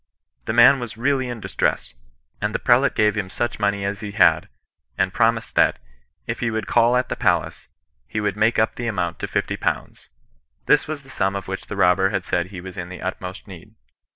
The man was really in distress, and the prelate gave him such money as he had, and promised that, if he would call at the palace, he would make up the amount to fifty pounds. This was the sum of which the robber had said he was in the utmost need.